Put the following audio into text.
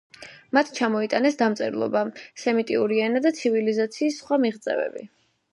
მათ ჩამოიტანეს დამწერლობა, სემიტური ენა და ცივილიზაციის სხვა მიღწევები.